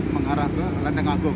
mengarah ke lantai ngabok